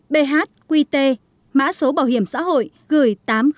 bhqt mã số bảo hiểm xã hội gửi tám nghìn bảy mươi chín